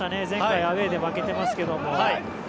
前回、アウェーで負けていますけども。